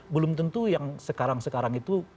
belum tentu yang sekarang sekarang itu